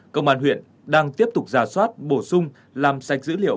công an huyện đang tiếp tục giả soát bổ sung làm sạch dữ liệu